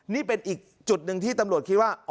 นี่เป็นอีกจุดหนึ่งที่ตำรวจคิดว่า